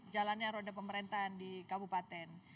jalannya roda pemerintahan di kabupaten